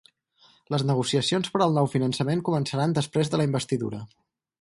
Les negociacions per al nou finançament començaran després de la investidura